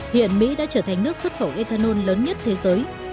hiện mỹ đã trở thành nước xuất khẩu ethanol lớn nhất thế giới